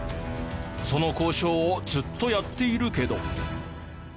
その交渉をずっとやっているけど。